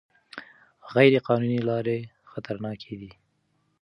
غیر قانوني لارې خطرناکې دي.